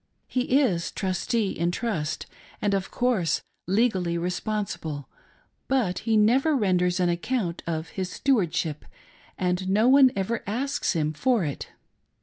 He is " Trustee in Trust" and, of course, legally responsible ; but he never renders an account of his steward ship, and no one ever asks him for it.